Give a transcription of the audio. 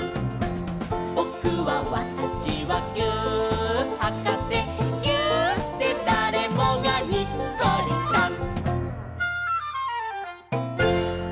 「ぼくはわたしはぎゅーっはかせ」「ぎゅーっでだれもがにっこりさん！」